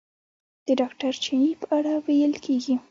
د ډاکټر چیني په اړه ویل کېږي.